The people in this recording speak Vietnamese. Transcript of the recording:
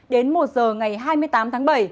đến một h ngày hai mươi tám tháng bảy